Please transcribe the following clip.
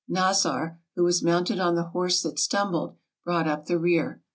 Nazar, who was mounted on the horse that stumbled, brought up the rear.